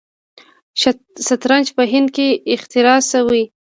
شطرنج په هند کې اختراع شوی.